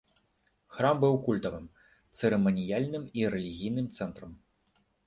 Храм быў культавым, цырыманіяльным і рэлігійным цэнтрам.